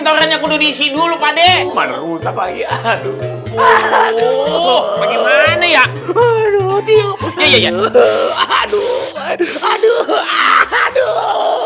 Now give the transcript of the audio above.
terlalu diisi dulu pade merusak lagi aduh aduh aduh aduh aduh aduh aduh